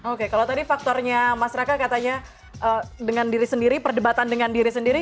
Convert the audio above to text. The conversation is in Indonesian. oke kalau tadi faktornya mas raka katanya dengan diri sendiri perdebatan dengan diri sendiri